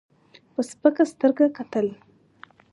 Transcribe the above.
په سپکه سترګه کتل.